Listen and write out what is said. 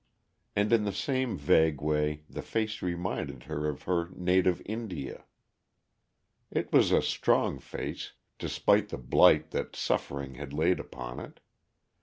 And in the same vague way the face reminded her of her native India. It was a strong face, despite the blight that suffering had laid upon it.